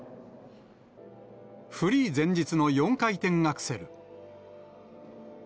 フリー前日の４回転アクセル。